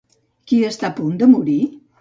Qui està a punt de morir?